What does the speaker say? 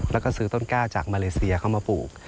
แล้วก็ซื้อต้นกล้าจากมาเลเซียเข้ามาปลูก